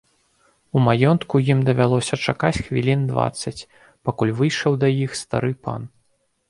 У маёнтку ім давялося чакаць хвілін дваццаць, пакуль выйшаў да іх стары пан.